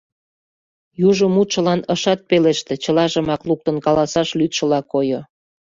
Южо мутшылан ышат пелеште, чылажымак луктын каласаш лӱдшыла койо.